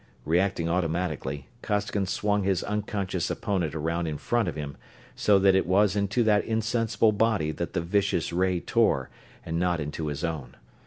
Reacting automatically, Costigan swung his unconscious opponent around in front of him, so that it was into that insensible body that the vicious ray tore, and not into his own.